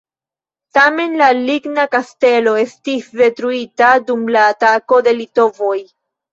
Tamen la ligna kastelo estis detruita dum la atako de litovoj.